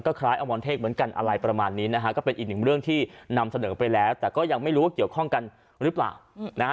ก็ยังไม่รู้ว่าเกี่ยวข้องกันหรือเปล่า